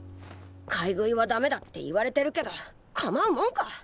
買い食いはダメだって言われてるけど構うもんか！